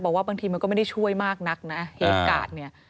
บางทีมันก็ไม่ได้ช่วยมากนักนะเหตุการณ์เนี่ย